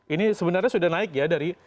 ini sebenarnya sudah naik ya